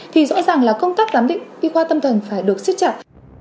thì rõ ràng là công tác giám định y khoa tâm thần phải được siết chặt